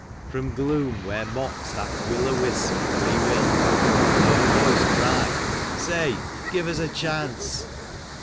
From gloom where mocks that will o' wisp, Free will, I heard a voice cry :" Say, give us a chance."